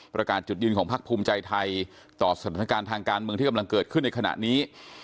ประกาศจุดยืนของพักภูมิใจไทยต่อสถานการณ์ทางการเมืองที่กำลังเกิดขึ้นในขณะนี้